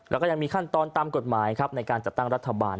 แล้วก็ยังมีขั้นตอนตามกฎหมายครับในการจัดตั้งรัฐบาล